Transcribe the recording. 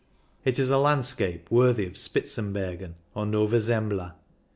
It is a landscape worthy of Spitzbergen or Nova Zembla.